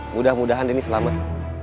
mudah mudahan denny selamat